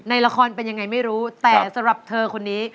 ในละครเป็นยังไงไม่รู้แต่สำหรับเธอคนนี้